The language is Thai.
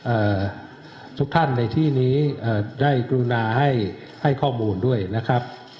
เอ่อทุกท่านในที่นี้เอ่อได้กรุณาให้ให้ข้อมูลด้วยนะครับ